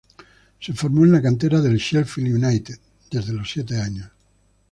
Se formó en la cantera del Sheffield United desde los siete años.